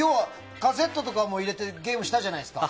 カセットとかも入れてゲームしたじゃないですか。